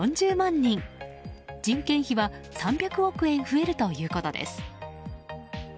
人件費は３００億円増えるということです。